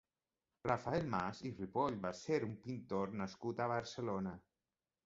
Rafael Mas i Ripoll va ser un pintor nascut a Barcelona.